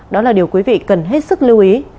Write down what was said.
đó là điều quý vị cần hết sức lưu ý